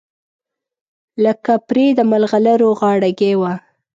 لکه پرې د مرغلرو غاړګۍ وه